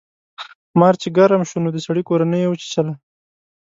مار چې ګرم شو نو د سړي کورنۍ یې وچیچله.